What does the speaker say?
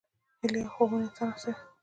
هیلې او خوبونه انسان هڅوي.